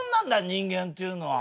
人間っていうのは。